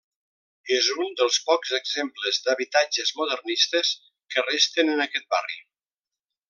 És un dels pocs exemples d'habitatges modernistes que resten en aquest barri.